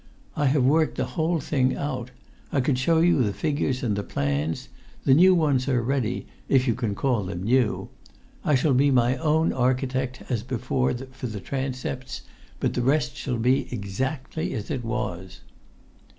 I have worked the whole thing out. I could show you the figures and the plans. The new ones are ready, if you can call them new. I shall be my own architect as before for the transepts, but the rest shall be exactly as it was."